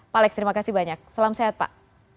pak alex terima kasih banyak salam sehat pak